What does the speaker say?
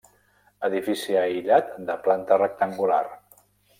Edifici aïllat de planta rectangular.